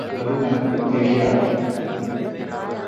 அது நமக்குத் தெரியாது!